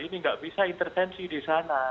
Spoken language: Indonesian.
ini nggak bisa intervensi di sana